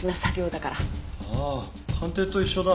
ああ鑑定と一緒だ。